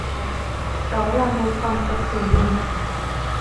Đó là một phòng tập thể hình